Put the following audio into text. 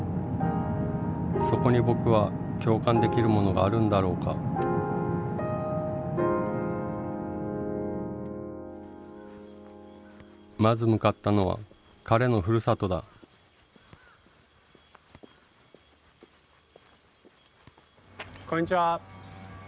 そこに僕は共感できるものがあるんだろうかまず向かったのは彼のふるさとだこんにちは。